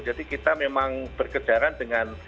jadi kita memang berkejaran dengan